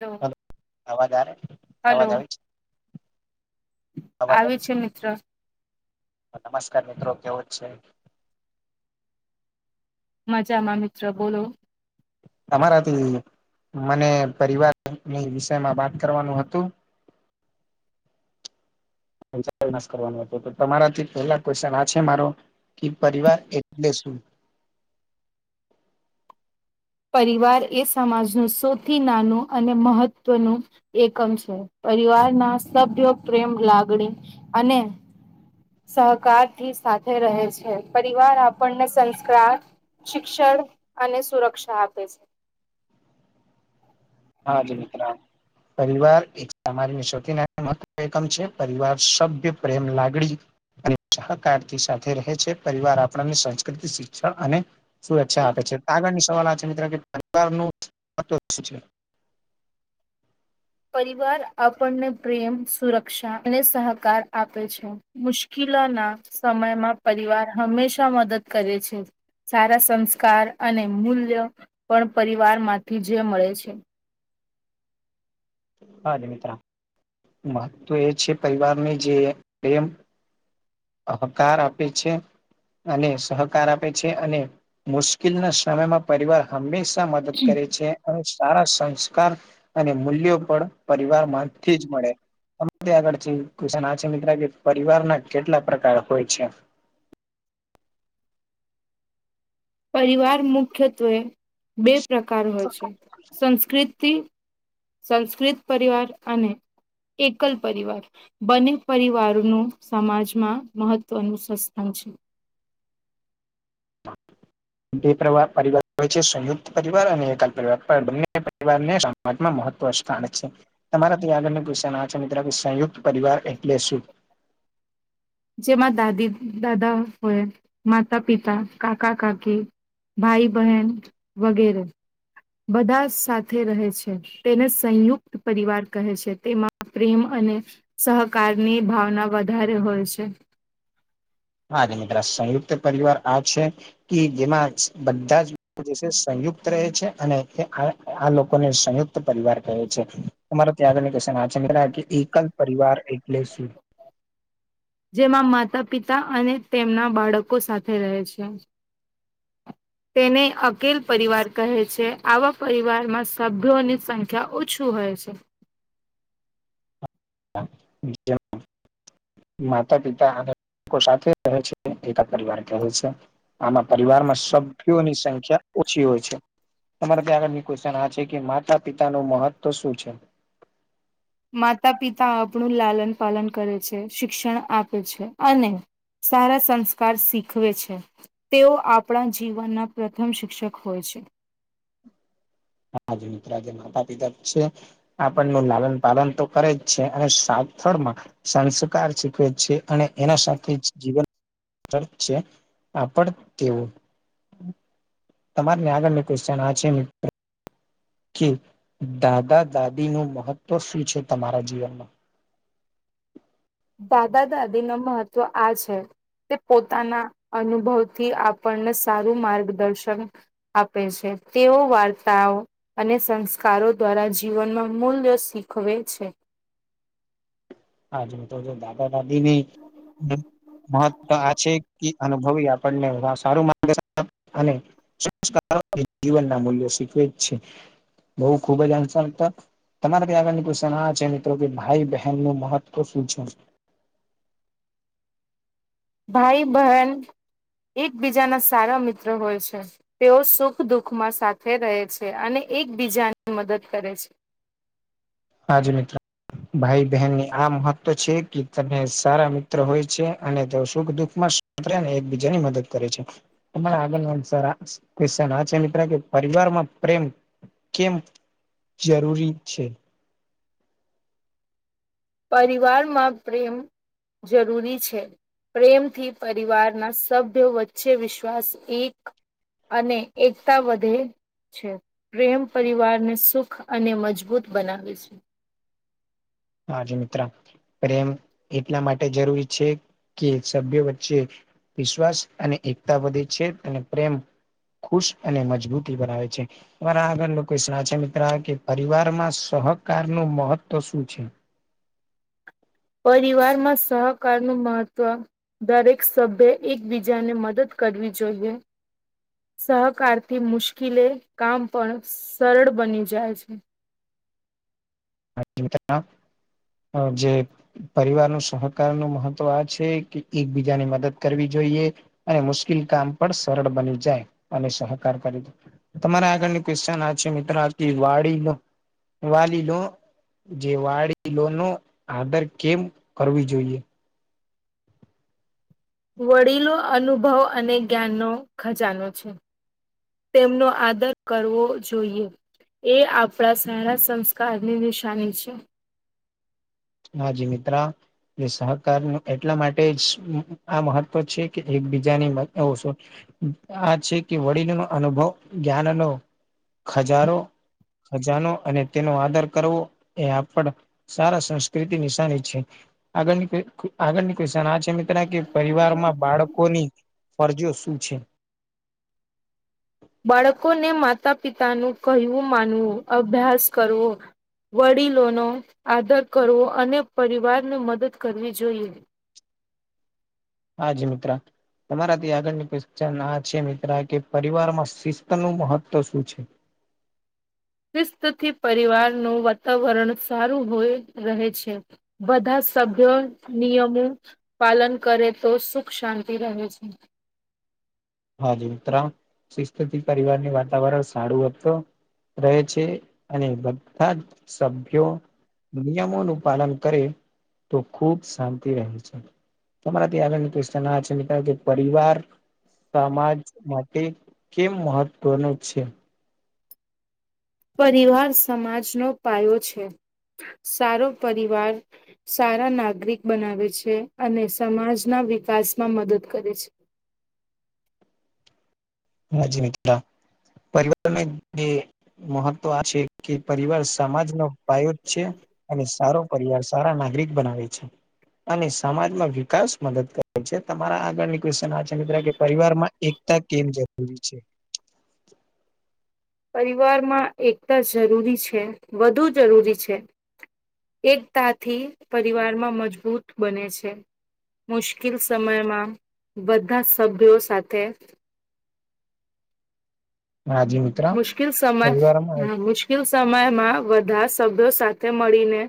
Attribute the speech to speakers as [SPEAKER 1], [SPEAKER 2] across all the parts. [SPEAKER 1] Hello
[SPEAKER 2] અવાજ આવે
[SPEAKER 1] hello
[SPEAKER 2] અવાજ આવે છે? આવે છે? નમસ્કાર મિત્રો કેવો જ છે.
[SPEAKER 1] માજામાં મિત્ર બોલો
[SPEAKER 2] તમારાથી મને પરિવારની વિષય માં વાત કરવાનું હતું
[SPEAKER 1] [inaudible]
[SPEAKER 2] કરવા તમારાથી પેલા કયોશન આ છે મારો કે પરિવાર એટલે શું?
[SPEAKER 1] પરિવાર એ સમાજનું સૌથી નાનું અને મહત્વનું એકમ છે પરિવાર ના સભ્યો પ્રેમ લાગણી અને સહકાર થી સાથે રહે છે પરિવાર આપણને સંસ્કાર શિક્ષણ અને સુરક્ષા આપે છે
[SPEAKER 2] હા જ મિત્ર પરિવાર એક સામાજ સૌથી એકમ છે પરિવાર સભ્ય પ્રેમ લાગડી અને સહકારથી સાથે રહે છે પરિવાર આપણની સંસ્કૃતિ શિક્ષણ અને શુંચ્છા આપે છે આગળની સવાલ આ છે મિત્ર કેવાર છે
[SPEAKER 1] પરિવાર આપણને પ્રેમ સુરક્ષા અને સહકાર આપે છે મુશ્કેલોના સમયમાં પરિવાર હંમેશા મદદ કરે છે સારા સંસ્કાર અને મૂલ્ય પણ પરિવાર માંથી જે મળે છે
[SPEAKER 2] હા મિત્ર મહત્વ એ છે પરિવારની જેમ અહકાર આપે છે અને સહકાર આપે છે અને મુશ્કેલ ના સમયમાં પરિવાર હંમેશા મદદ કરે છે અને સારા સંસ્કાર અને મૂલ્યો પણ પરિવાર માંથી જ મળે આગળ છે કુશન મિત્ર કે પરિવાર ના કેટલા પ્રકાર હોય છે
[SPEAKER 1] પરિવાર મુખ્યત્વે બે પ્રકાર હોય છે સંસ્કૃતિ સંસ્કૃત પરિવાર અને એકલ પરિવાર બને પરિવારોનું સમાજમાં મહત્વનું સંસ્થાન છે [inaudible]
[SPEAKER 2] બે પરિવાર હોય છે સંયુક્ત પરિવાર અને એક પરિવાર બંને પરિવાર ને [unintelligible] માં મહત્વ સ્થાન છે તમારાથી આગળ કન છે મિત્ર સંયુક્ત પરિવાર એટલે શું
[SPEAKER 1] જેમાં દાદી દાદા હોય માતા પિતા કાકા કાકી ભાઈ બહેન વગેરે બધા સાથે રહે છે તેને સંયુક્ત પરિવાર કહે છે તેમાં પ્રેમ અને સહકારની ભાવના વધારે હોય છે
[SPEAKER 2] હાજ મિત્ર સંયુક્ત પરિવાર આ છે કે જેમાં બધા જ જે છે સંયુક્ત રહે છે અને આ લોકોને સંયુક્ત પરિવાર કહે છે તમારે ત્યાં આગળ ક્ન છે એકલ પરિવાર એટલે શું
[SPEAKER 1] જેમાં માતા પિતા અને તેમના બાળકો સાથે રહે છે તેને અકેલ પરિવાર કહે છે આવા પરિવારમાં સભ્યોની સંખ્યા ઓછું હોય છે
[SPEAKER 2] [unintelligible] માતા પિતા અને સાથે રહે છે એકા પરિવાર કહે છે આમાં પરિવારમાં સભ્યોની સંખ્યા ઓછી હોય છે તમારે ત્યાં આગળની ક્વેશચન આ છે કે માતા પિતા નું મહત્વ શું છે
[SPEAKER 1] માતા પિતા આપણું લાલન પાલન કરે છે શિક્ષણ આપે છે અને સારા સંસ્કાર શીખવે છે તેઓ આપણા જીવનના પ્રથમ શિક્ષક હોય છે
[SPEAKER 2] હાજ મિત્રો આજે માતા પિતા છે આપણનું લાલન પાલન તો કરે જ છે અને સાથળમાં સંસ્કાર શીખવે છે અને એના સાથે જ જીવન [unintelligible] આપડ તેવું તમાર ને આગળ ની ક્વેશ્ચન આ છે મિત્ર કે દાદા દાદી નું મહત્વ શું છે તમારા જીવનમાં
[SPEAKER 1] દાદા દાદી નો મહત્વ આ છે તે પોતાના અનુભવથી આપણને સારું માર્ગદર્શન આપે છે તેઓ વાર્તાઓ અને સંસ્કારો દ્વારા જીવનનો મૂલ્ય શીખવે છે
[SPEAKER 2] હા જો તો જો દાદા દાદી ની મહત્વ આ છે કી અનુ અનુભવ આપણને સારું [unintelligible] અને સંસ્કાર જીવનના મૂલ્યો શીખવે જ છે. બઉ ખુબ જ આંશ મિત્ર તમારા ત્યાં આગળની કોઈ આ છે મિત્રો કે ભાઈ બહેનનુ મહત્વ પ્રસિદ્ધ છે.
[SPEAKER 1] ભાઈ બહેન એકબીજાના સારા મિત્ર હોય છે. તેઓ સુખ દુઃખ માં સાથે રહે છે અને એકબીજાની મદદ કરે છે.
[SPEAKER 2] આ જો મિત્ર. ભાઈ બહેનની આ મહત્વ છે કે તમે સારા મિત્ર હોય છે અને તે સુખ દુખમાં પ્રેમ એકબીજા ની મદદ કરે છે. તમારા આગળનો સરા સ કે સાચી મિત્ર કે પરિવારમાં પ્રેમ કેમ જરૂરી છે.
[SPEAKER 1] પરિવારમાં પ્રેમ જરૂરી છે. પ્રેમથી પરિવારના સભ્યો વચ્ચે વિશ્વાસ એક અને એકતા વધે. છે પ્રેમ પરિવારને સુખ અને મજબૂત બનાવે છે.
[SPEAKER 2] હા જી મિત્ર પ્રેમ એટલા માટે જરૂરી છે કે સભ્યો વચ્ચે વિશ્વાસ અને એકતા વધે છે અને પ્રેમ ખુશ અને મજબૂતી બનાવે છે. તમારા આગળ લોકો સાચી મિત્ર કે પરિવારમાં સહકાર નું મહત્વ શું છે.
[SPEAKER 1] પરિવારમાં સહકારનું મહત્વ. દરેક સભ્ય એકબીજાને મદદ કરવી જોઈએ. સહકારથી મુશ્કેલે કામ પણ સરળ બની જાય છે.
[SPEAKER 2] [unintelligible] હ જે પરિવારનું સહકારનું મહત્વ આ છે કે એકબીજાની મદદ કરવી જોઈએ. અને મુશ્કેલ કામ પણ સરળ બની જાય અને સહકાર કરી દે. તમારા આગળની ક્વેશ્ચન આ છે મિત્રો આથી વાડીનો વાલી લો જે વાડીલોલો નો આધાર કેમ કરવી જોઈએ.
[SPEAKER 1] વડીલો અનુભવ અને જ્ઞાનનો ખજાનો છે. તેમનો આદર કરવો જોઈએ. એ આપણા સારા સંસ્કારની નિશાની છે.
[SPEAKER 2] હાજી મિત્ર. એ સહકારનું એટલા માટે જ આ મહત્વ છે કે એકબીજાની. [unintelligible] આ છે કે વડીલનો અનુભવ જ્ઞાનનો ખજારો ખજાનો અને તેનો આદર કરવો એ આપડ સારા સં પ્રીતિ નિશાની છે. આગળની આગળની ક્વેશ્ચન આ છે મિ ત્ર કે પરિવારમાં બાળકોની ફરજીઓ શું છે.
[SPEAKER 1] બાળકોને માતા પિતાનું કહ્યું માનવું, અભ્યાસ કરવો વડીલોનો આદર કરવો અને પરિવારને મદદ કરવી જોઈએ.
[SPEAKER 2] હા જી મિત્રા. તમારાથી આગળની કેશ્ચન આ છે મિત્ર કે પરિવારમાં શિસ્ત નું મહત્વ શું છે?
[SPEAKER 1] શસ્તથી પરિવારનું વાતાવરણ સારું હોય રહે છે. બધા સભ્યો નિયમો પાલન કરે તો સુખ શાંતિ રહે છે.
[SPEAKER 2] હા મિત્ર શિસ્તથી પરિવારનું વાતાવરણ સારું હત. રહે છે અને બધા જ સભ્યો નિયમોનું પાલન કરે તો ખૂબ શાંતિ રહે છે. તમારા થી આગળની ક્વેશ્ચન આ છે મિત્ર કે પરિવાર સમાજ માટે કેમ મહત્વનું છે?
[SPEAKER 1] પરિવાર સમાજનો પાયો છે સારો પરિવાર સારા નાગરિક બનાવે છે અને સમાજના વિકાસમાં મદદ કરે છે.
[SPEAKER 2] હાજી મિત્ર. પરિવારને જે મહત્વ છે, કે પરિવાર સમાજનો પાયો છે અને, સારો પરિવાર સારા નાગરિક બનાવે છે. અને સમાજમાં વિકાસ મદદ કરે છે, તમારા આગળની ક્વેશન છે મિત્ર કે પરિવાર માં એકતા કેમ જરૂરી છે.
[SPEAKER 1] પરિવારમાં એકતા જરૂરી છે, વધુ જરૂરી છે. એકતાથી પરિવારમાં મજબૂત બને છે. મુશ્કેલ સમયમાં બધા સભ્યો સાથે
[SPEAKER 2] હા, જી
[SPEAKER 1] મુશ્કેલ સમય હ મુશ્કેલ સમયમાં બધા સભ્યો સાથે મળીને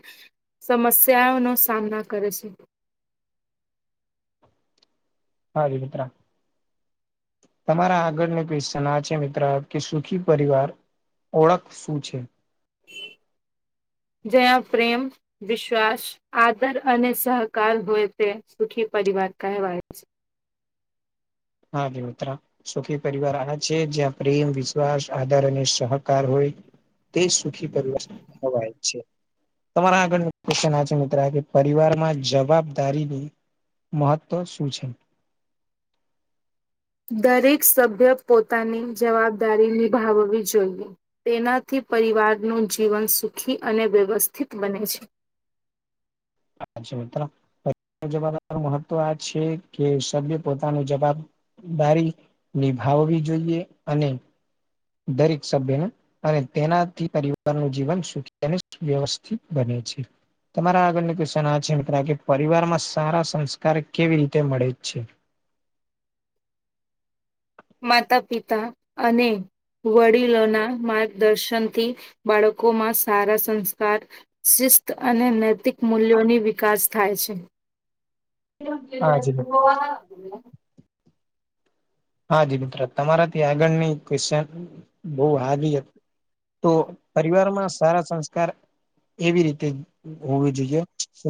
[SPEAKER 1] સમસ્યાઓ નો, સામના કરે છે.
[SPEAKER 2] હા, વિ મિત્રા તમારા આગળને ક્વચન આ છે, મિત્ર કે સુખી પરિવાર ઓળખ શું છે.
[SPEAKER 1] જયા પ્રેમ વિશ્વાસ આદર અને સહકાર હોય, તે સુખી પરિવાર કહેવાય છે.
[SPEAKER 2] હા, દ ઉત્ર સુખી પરિવાર આ છે જ્યાં પ્રેમ વિશ્વાસ આધાર અને સહકાર હોય તે સુખી પરિવરત થવાય છે. તમારા આગળ ક્વન આ છે, મિત્ર કે પરિવાર માં જવાબદારીની મહત્ત્વ શું છે.
[SPEAKER 1] દરેક સભ્ય પોતાની જવાબદારી નિભાવવી જોઈએ તેનાથી પરિવારનું જીવન સુખી અને વ્યવસ્થિત બને છે.
[SPEAKER 2] મિત જવાબ મહત્વ આ છે, કે સભ્ય પોતાનો જવાબ બારી નિભાવવી જોઈએ અને દરેક સભ્ય ને અને તેનાથી પરિવારનું જીવન સુખી અને, વ્યવસ્થિત બને છે. તમારા આગળની ક્વેશન આ છે, મિત્ર કે પરિવારમાં સારા સંસ્કાર કેવી રીતે મળે છે.
[SPEAKER 1] માતા, પિતા અને વડીલોના માર્ગદર્શનથી બાળકોમાં સારા સંસ્કાર શિસ્ત અને, નૈતિક મૂલ્યોની વિકાસ થાય છે. [inaudible]
[SPEAKER 2] હા જી મિત્ર હા, જ મિત્ર તમારાથી આગળની ક્વેશચન બહુ હ હતી તો પરિવારમાં સારા સંસ્કાર એવી રીતે હોવી જોઈએ,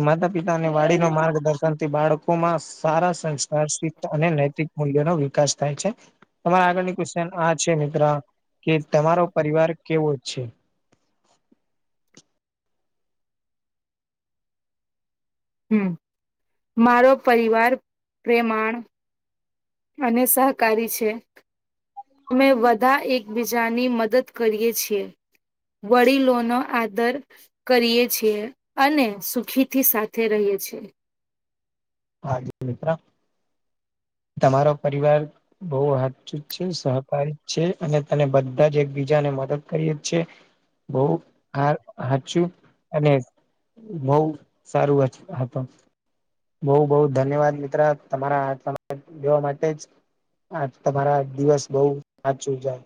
[SPEAKER 2] માતા પિતા ની વાડી ન માર્ગદર્શન થી બાળકોમાં સારા સંસ્કાર અને, નૈતિક મૂલ્યો નો વિકાસ થાય છે તમારે આગળની આ છે, મિત્ર કે તમારો પરિવાર કેવો છે.
[SPEAKER 1] હમ, મારો પરિવાર પ્રેમાણ અને સહકારી છે, તમે બધા એકબીજાની મદદ કરીએ છીએ વડીલો નો આદર કરીએ છીએ અને, સુખી થી સાથે રહીએ છીએ
[SPEAKER 2] હા, જ મિત્ર તમારો પરિવાર બહ હાથચુ છે સહકાર જ છે, અને તને બધા જ એકબીજાને મદદ કરી જ છે. બઉ હ હારચું અને બઉ સારું તો બઉ બહ ધન્યવાદ મિત્ર તમારા, હથ જોવા માટે જ આ તમારા દિવસ બહ સાચું જાય